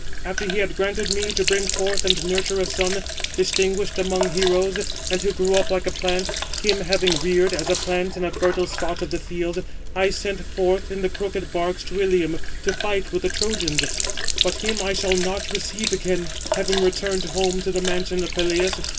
After he had granted me to bring forth aud nurture a son, distinguished among heroes, and who grew up like a plant; him having reared, as a plant in a fertile spot of the field, I sent forth in the crooked barks to Ilium, to fight with the Trojans; but him I shall not receive again, having returned home to the mansion of Peleus.